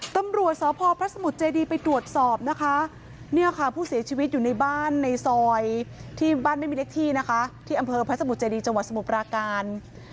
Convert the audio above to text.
ตำรวจสพพระสมุทรเจดีไปตรวจสอบนะคะเนี่ยค่ะผู้เสียชีวิตอยู่ในบ้านในซอยที่บ้านไม่มีเล็กที่นะคะที่อำเภอพระสมุทรเจดีจังหวัดสมุทรปราการ